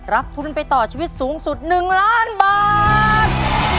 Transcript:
ทุนไปต่อชีวิตสูงสุด๑ล้านบาท